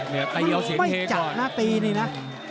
ไม่จัดนะตีนี่นะ